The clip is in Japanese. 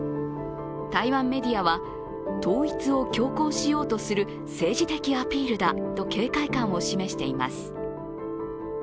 台湾メディアは統一を強行しようとする政治的アピールだと警戒感を示しています。